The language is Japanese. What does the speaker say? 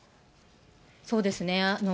そうですね。